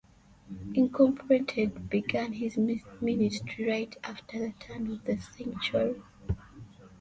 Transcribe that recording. Incorporated began his ministry right after the turn of the century.